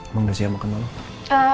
emang udah siap makan lho